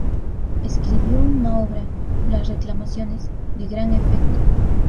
Escribió una obra, "Las Reclamaciones", de gran efecto.